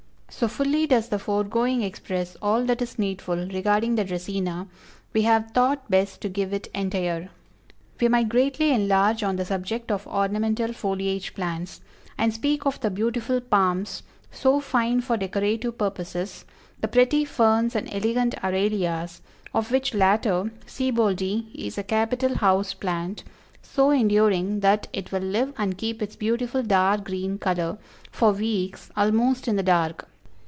_ So fully does the foregoing express all that is needful regarding the Dracæna, we have thought best to give it entire. We might greatly enlarge on the subject of Ornamental Foliage Plants, and speak of the beautiful Palms, so fine for decorative purposes, the pretty Ferns and elegant Aralias, of which latter "Sieboldi is a capital house plant, so enduring that it will live and keep its beautiful dark green color for weeks almost in the dark."